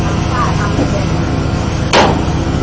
อย่าบนใดหลุดเลยนะบนใดล่วงกูเสียบมือกูเลยเนี้ย